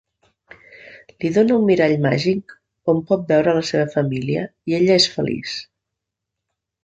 Li dóna un mirall màgic on pot veure la seva família i ella és feliç.